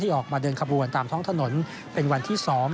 ออกมาเดินขบวนตามท้องถนนเป็นวันที่๒